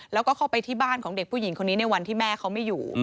แล้วก็เข้าไปที่บ้านของเด็กผู้หญิงคนนี้ในวันที่แม่เขาไม่อยู่